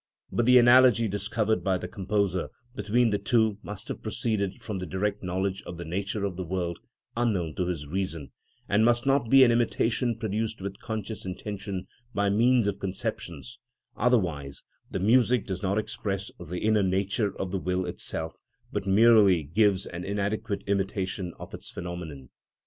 But the analogy discovered by the composer between the two must have proceeded from the direct knowledge of the nature of the world unknown to his reason, and must not be an imitation produced with conscious intention by means of conceptions, otherwise the music does not express the inner nature of the will itself, but merely gives an inadequate imitation of its phenomenon.